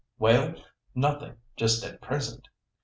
"Well, nothing just at present.